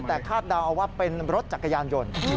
แต่คาดเดาเอาว่าเป็นรถจักรยานยนต์